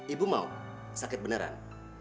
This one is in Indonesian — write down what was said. ibu mau sakit beneran